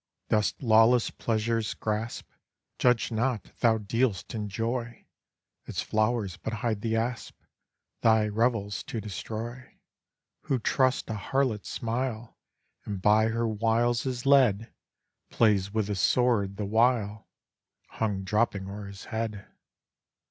Dost lawless pleasures grasp? Judge not thou deal'st in joy; Its flowers but hide the asp, Thy revels to destroy: Who trusts a harlot's smile, And by her wiles is led, Plays with a sword the while, Hung dropping o'er his head.